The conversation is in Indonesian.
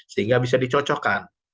sehingga bisa dicocokkan